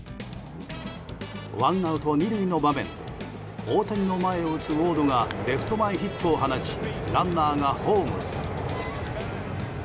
ワンアウト２塁の場面で大谷の前を打つウォードがレフト前ヒットを放ちランナーがホームへ。